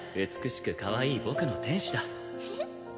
美しくかわいい僕の天使だ